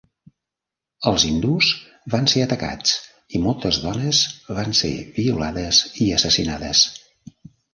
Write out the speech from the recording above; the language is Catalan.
Els hindús van ser atacats i moltes dones van ser violades i assassinades.